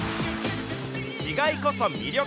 違いこそ魅力！